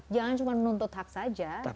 jangan cuma menuntut hak saja